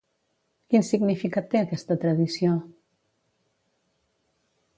Quin significat té aquesta tradició?